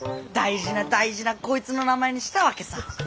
大事な大事なこいつの名前にしたわけさぁ。